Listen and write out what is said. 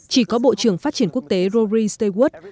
chỉ có bộ trưởng phát triển quốc tế rory stayworth